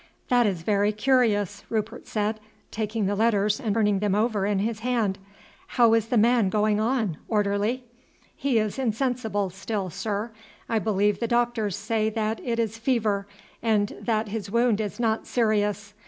"That is very curious," Rupert said, taking the letters and turning them over in his hand. "How is the man going on, orderly?" "He is insensible still, sir. I believe the doctors say that it is fever, and that his wound is not serious.